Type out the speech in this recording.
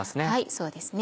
そうですね。